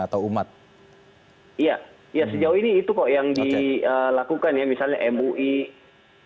atau umat iya ya sejauh ini itu kok yang dilakukan ya misalnya mui dengan fatwanya kemudian surat